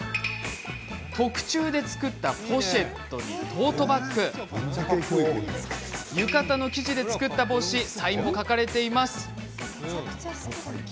特注で作ったポシェットやトートバッグ浴衣の生地で作った帽子をかぶる程の相撲好き。